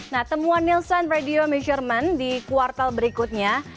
nah temuan nielsen radio misurman di kuartal berikutnya